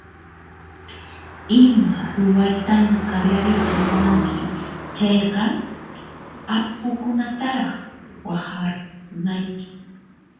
Ima ruwaytaña qallariyta munanki chayqa apukunataraq waqharkunayki.